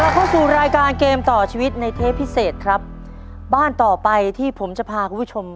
มันต่อชีวิตในเทพิเศษครับบ้านต่อไปที่ผมจะพาคุณผู้ชม